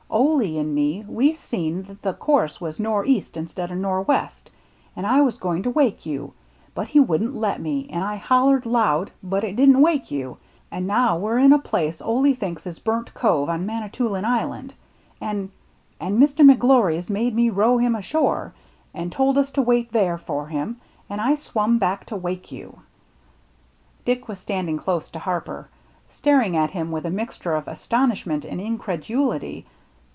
Ole an' me we seen that the course was nor'east instead o' nor' west, an' I was goin' to wake you, but he wouldn't let me, an' I hollered loud but it didn't wake you, an' now we're in a place Ole thinks is Burnt Cove on Manitoulin Island, an' — an' Mr. McGlory's made me row him ashore, an' told us to wait there for him, an' I swum back to wake you —" Dick was standing close to Harper, staring at him with a mixture of astonishment and in credulity.